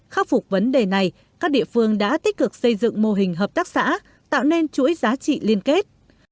khắc phục vấn đề này các địa phương đã tích cực xây dựng mô hình hợp tác xã tạo nên chuỗi giá trị liên kết